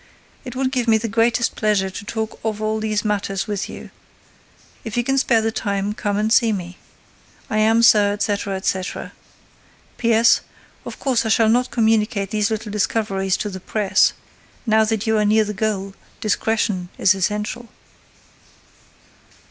It would give me the greatest pleasure to talk of all these matters with you. If you can spare the time, come and see me. I am, Sir, etc., etc. P.S.—Of course, I shall not communicate these little discoveries to the press. Now that you are near the goal, discretion is essential.